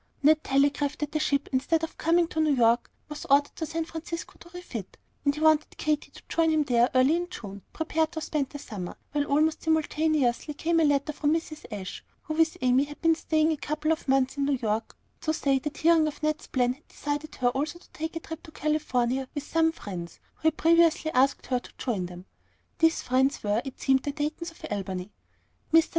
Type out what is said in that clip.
Ned telegraphed that the ship, instead of coming to New York, was ordered to San Francisco to refit, and he wanted Katy to join him there early in June, prepared to spend the summer; while almost simultaneously came a letter from Mrs. Ashe, who with Amy had been staying a couple of months in New York, to say that hearing of Ned's plan had decided her also to take a trip to California with some friends who had previously asked her to join them. These friends were, it seemed, the Daytons of Albany. Mr.